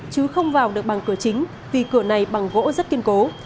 chứ không vào được bằng cửa chính vì cửa này bằng gỗ rất kiên cố